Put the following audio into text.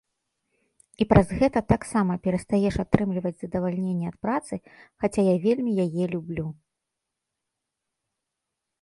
І праз гэта таксама перастаеш атрымліваць задавальненне ад працы, хаця я вельмі яе люблю.